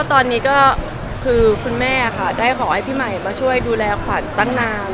ตอนนี้ก็คือคุณแม่ค่ะได้ขอให้พี่ใหม่มาช่วยดูแลขวัญตั้งนาน